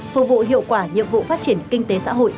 phục vụ hiệu quả nhiệm vụ phát triển kinh tế xã hội